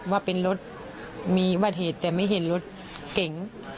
ว่าเป็นรถมีวัดเหตุแต่ไม่เห็นรถเก๋ง